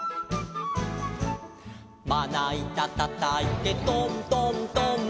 「まないたたたいてトントントン」